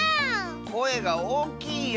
こえがおおきいよ。